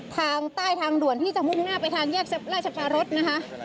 ทางใต้ทางด่วนที่จะมุ่งหน้าไปทางแยกราชปารสนะคะ